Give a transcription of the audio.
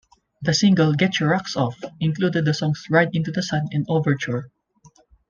The single "Getcha Rocks Off" included the songs "Ride into the Sun" and "Overture".